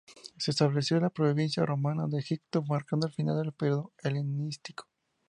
Se estableció la provincia romana de Egipto, marcando el final del período helenístico.